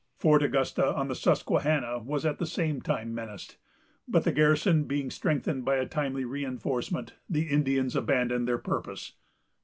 Fort Augusta, on the Susquehanna, was at the same time menaced; but the garrison being strengthened by a timely re enforcement, the Indians abandoned their purpose.